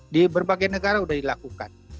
di berbagai negara sudah dilakukan